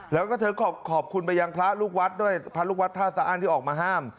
แล้วก็เธอขอบคุณไปยังพระลูกวัดด้วยพระลูกวัดท่าสะอ้านที่ออกมาห้าม